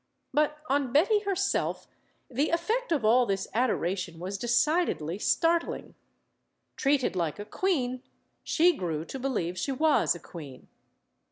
But on Betty herself the effect of all this adoration was decidedly startling. Treated like a queen, she grew to believe she was a queen.